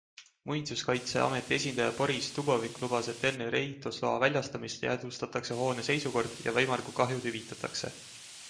Muinsuskaitseameti esindaja Boris Dubovik lubas, et enne ehitusloa väljastamist jäädvustatakse hoone seisukord ja võimalikud kahjud hüvitatakse.